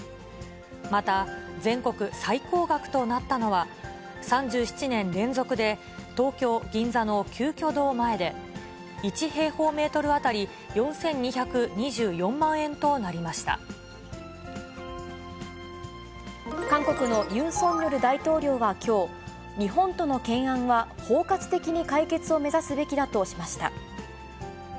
また、全国最高額となったのは、３７年連続で東京・銀座の鳩居堂前で、１平方メートル当たり韓国のユン・ソンニョル大統領はきょう、日本との懸案は包括的に解決を目指すべきだとしました。